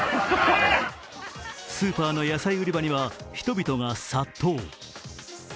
スーパーの野菜売場には人々が殺到。